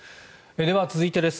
では、続いてです。